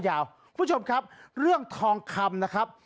คุณผู้ชมครับเรื่องทองคำนะครับ